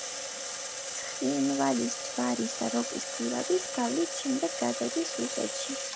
ცხინვალის, ჯავის და როკის გვირაბის გავლის შემდეგ გადადის რუსეთში.